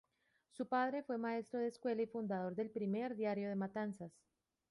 Su padre fue maestro de escuela y fundador del primer diario de Matanzas.